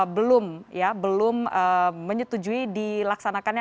belum ya belum menyetujui dilaksanakannya